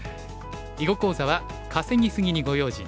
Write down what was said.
囲碁講座は「稼ぎ過ぎにご用心」。